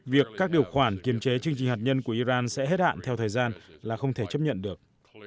việc các điều khoản kiềm chế chương trình hạt nhân của iran sẽ hết hạn theo thời gian là không thể chấp nhận được